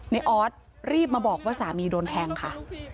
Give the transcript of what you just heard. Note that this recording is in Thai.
ออสรีบมาบอกว่าสามีโดนแทงค่ะ